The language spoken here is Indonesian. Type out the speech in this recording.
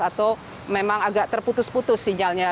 atau memang agak terputus putus sinyalnya